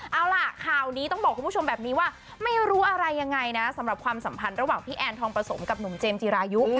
เอาล่ะข่าวนี้ต้องบอกคุณผู้ชมแบบนี้ว่าไม่รู้อะไรยังไงนะสำหรับความสัมพันธ์ระหว่างพี่แอนทองประสมกับหนุ่มเจมส์จีรายุ